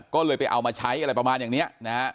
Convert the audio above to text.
ก็เลยไปเอามาใช้อะไรประมาณอย่างนี้นะฮะ